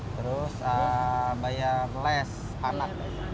terus bayar les anak